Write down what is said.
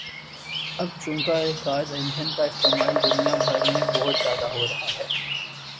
اب چونکہ رکاز ایندھن کا استعمال دنیا بھر میں بہت زیادہ ہورہا ہے